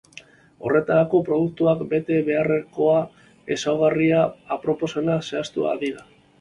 Horretarako, produktuak bete beharreko ezaugarri aproposena zehaztu dira.